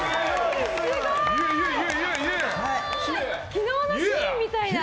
昨日のシーンみたいだ。